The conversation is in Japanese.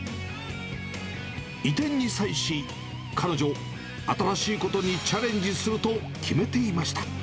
移転に際し、彼女、新しいことにチャレンジすると決めていました。